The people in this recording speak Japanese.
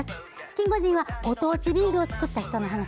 キンゴジンは、ご当地ビールを造った人の話。